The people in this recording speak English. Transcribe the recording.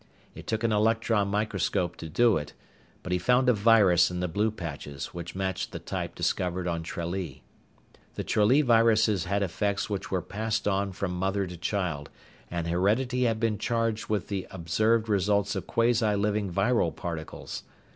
It took an electron microscope to do it, but he found a virus in the blue patches which matched the type discovered on Tralee. The Tralee viruses had effects which were passed on from mother to child, and heredity had been charged with the observed results of quasi living viral particles.